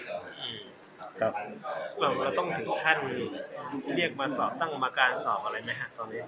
เราต้องถึงขั้นเรียกมาสอบตั้งกรรมการสอบอะไรไหมฮะตอนนี้